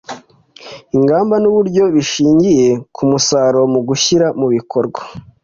ingamba n’uburyo bishingiye ku musaruro mu kuyishyira mu bikorwa